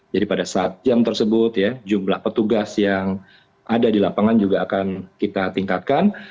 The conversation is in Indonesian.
jadi pada saat jam tersebut ya jumlah petugas yang ada di lapangan juga akan kita tingkatkan